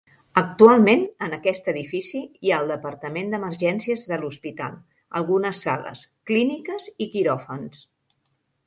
Actualment, en aquest edifici hi ha el departament d'emergències de l'hospital, algunes sales, clíniques i quiròfans.